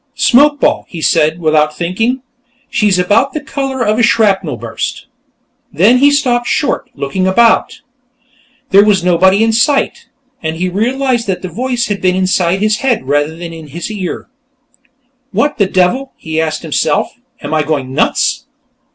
"Smokeball," he said, without thinking. "She's about the color of a shrapnel burst...." Then he stopped short, looking about. There was nobody in sight, and he realized that the voice had been inside his head rather than in his ear. "What the devil?" he asked himself. "Am I going nuts?"